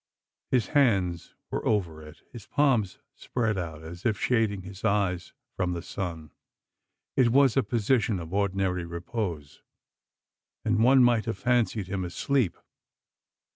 His hands were over it, with palms spread out as if shading his eyes from the sun! It was a position of ordinary repose; and one might have fancied him asleep.